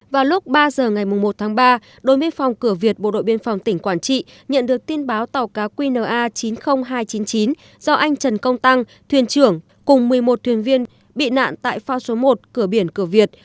vào lúc ba giờ ngày một tháng ba đội biên phòng cửa việt bộ đội biên phòng tỉnh quảng trị nhận được tin báo tàu cá qna chín mươi nghìn hai trăm chín mươi chín do anh trần công tăng thuyền trưởng cùng một mươi một thuyền viên bị nạn tại phao số một cửa biển cửa việt